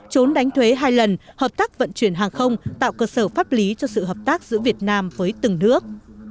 trốn đánh thuế hai lần hợp tác vận chuyển hàng không tạo cơ sở pháp lý cho sự hợp tác giữa việt nam với từng nước